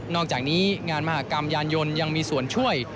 อกจากนี้งานมหากรรมยานยนต์ยังมีส่วนช่วย